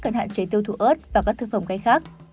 cần hạn chế tiêu thụ ớt và các thực phẩm cay khác